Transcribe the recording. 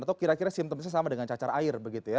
atau kira kira simptomnya sama dengan cacar air